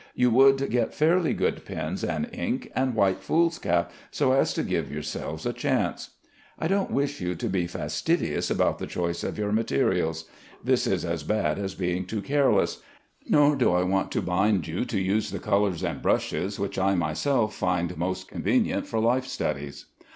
You would get fairly good pens and ink and white foolscap, so as to give yourselves a chance. I don't wish you to be fastidious about the choice of your materials. This is as bad as being too careless; nor do I want to bind you to use the colors and brushes which I myself find most convenient for life studies.